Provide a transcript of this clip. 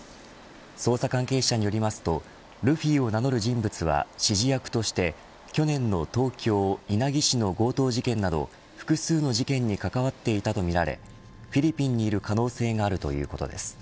捜査関係者によりますとルフィを名乗る人物は指示役として去年の東京、稲城市の強盗事件など複数の事件に関わっていたとみられフィリピンにいる可能性があるということです。